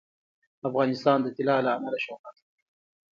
افغانستان د طلا له امله شهرت لري.